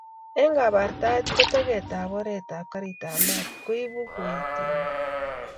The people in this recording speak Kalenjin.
Eng'kabartaet ko teget ab oret ab garit ab mat koibu koet emet